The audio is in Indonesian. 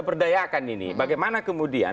berdayakan ini bagaimana kemudian